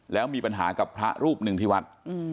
แล้วมีปัญหากับพระรูปหนึ่งที่วัด